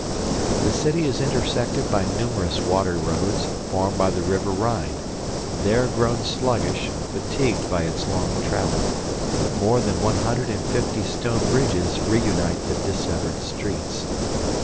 The city is intersected by numerous water roads formed by the river Rhine, there grown sluggish, fatigued by its long travel, but more than one hundred and fifty stone bridges reunite the dissevered streets.